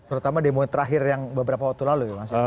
terutama demo terakhir yang beberapa waktu lalu ya